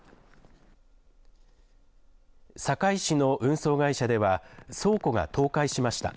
堺市の運送会社では倉庫が倒壊しました。